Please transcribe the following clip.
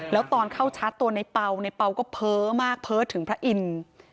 แล้วตอนเข้าชาร์จตัวในเป่าในเปล่าก็เพ้อมากเพ้อถึงพระอินทร์